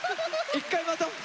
一回待とう。